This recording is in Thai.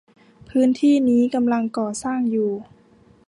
พื้นที่นี้กำลังก่อสร้างอยู่